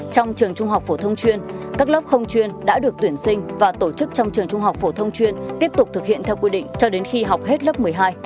trong trường trung học phổ thông chuyên các lớp không chuyên đã được tuyển sinh và tổ chức trong trường trung học phổ thông chuyên tiếp tục thực hiện theo quy định cho đến khi học hết lớp một mươi hai